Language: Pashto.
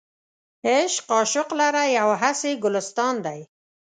عشق عاشق لره یو هسې ګلستان دی.